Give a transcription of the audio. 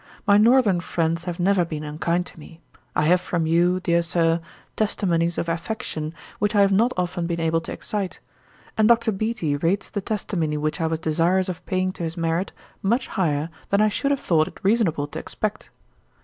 My northern friends have never been unkind to me: I have from you, dear Sir, testimonies of affection, which I have not often been able to excite; and Dr. Beattie rates the testimony which I was desirous of paying to his merit, much higher than I should have thought it reasonable to expect.